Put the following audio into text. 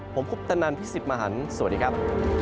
ผมคุกตะนานพี่สิบมาหันสวัสดีครับ